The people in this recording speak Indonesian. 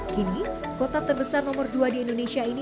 kini kota terbesar nomor dua di indonesia ini